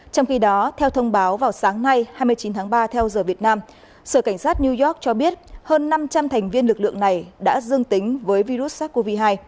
trong khi đó theo thông báo vào sáng nay hai mươi chín tháng ba theo giờ việt nam sở cảnh sát new york cho biết hơn năm trăm linh thành viên lực lượng này đã dương tính với virus sars cov hai